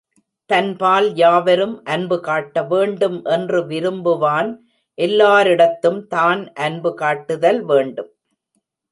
தன்பால் யாவரும் அன்பு காட்ட வேண்டும் என்று விரும்புவான், எல்லாரிடத்தும் தான் அன்பு காட்டுதல் வேண்டும்.